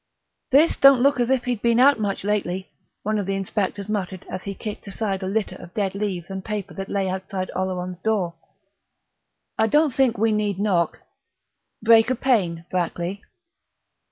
"This don't look as if he'd been out much lately," one of the inspectors muttered as he kicked aside a litter of dead leaves and paper that lay outside Oleron's door. "I don't think we need knock break a pane, Brackley."